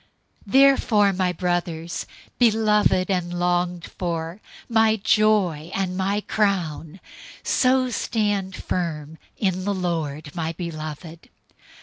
004:001 Therefore, my brothers, beloved and longed for, my joy and crown, so stand firm in the Lord, my beloved.